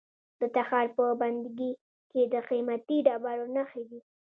د تخار په بنګي کې د قیمتي ډبرو نښې دي.